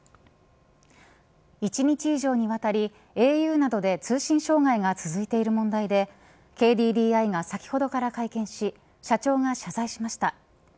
１日以上にわたりａｕなどで通信障害が続いている問題でＫＤＤＩが、先ほどから会見し社長が謝罪しました。